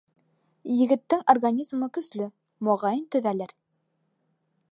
Егеттең организмы көслө, моғайын, төҙәлер.